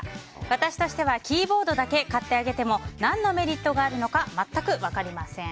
私としてはキーボードだけ買ってあげても何のメリットがあるのか全く分かりません。